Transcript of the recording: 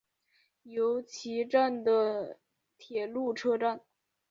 由岐站的铁路车站。